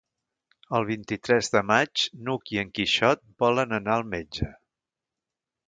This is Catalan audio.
El vint-i-tres de maig n'Hug i en Quixot volen anar al metge.